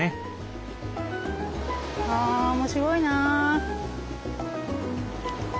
あ面白いな。